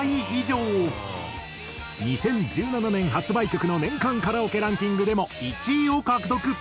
２０１７年発売曲の年間カラオケランキングでも１位を獲得。